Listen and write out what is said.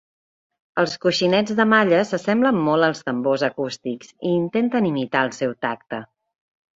Els coixinets de malla s'assemblen molt als tambors acústics, i intenten imitar el seu tacte.